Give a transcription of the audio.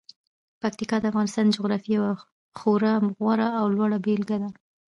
پکتیکا د افغانستان د جغرافیې یوه خورا غوره او لوړه بېلګه ده.